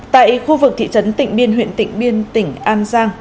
tại khu vực thị trấn tịnh biên huyện tịnh biên tỉnh an giang